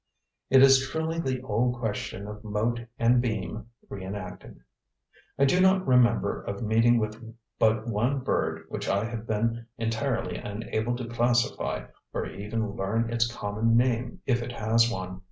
It is truly the old question of mote and beam re enacted. I do not remember of meeting with but one bird which I have been entirely unable to classify or even learn its common name if it has one.